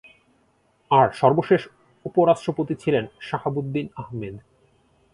আর সর্বশেষ উপরাষ্ট্রপতি ছিলেন শাহাবুদ্দিন আহমেদ।